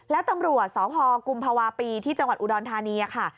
แล้วตำรวจสพกุมภาวะปีที่จังหวัดอุดรธานีค่ะ